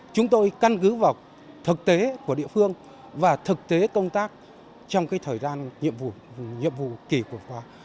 chúng tôi căn cứ vào thực tế của địa phương và thực tế công tác trong thời gian nhiệm vụ kỳ của họ